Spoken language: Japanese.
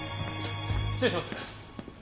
失礼します。